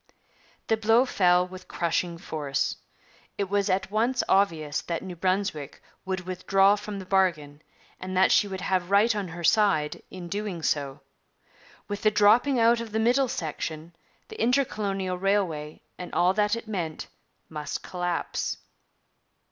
The blow fell with crushing force. It was at once obvious that New Brunswick would withdraw from the bargain, and that she would have right on her side in doing so. With the dropping out of the middle section, the intercolonial railway and all that it meant must collapse.